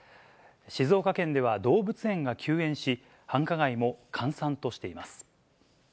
静岡県では動物園が休園し、繁華街も閑散としています。